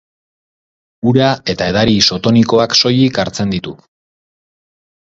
Ura eta edari isotonikoak soilik hartzen ditu.